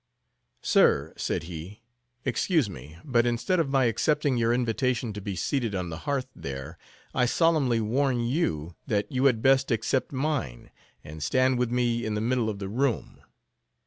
"Sir," said he, "excuse me; but instead of my accepting your invitation to be seated on the hearth there, I solemnly warn you, that you had best accept mine, and stand with me in the middle of the room.